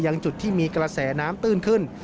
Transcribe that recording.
ยังจุดที่มีกระแสน้ำตื้นขึ้น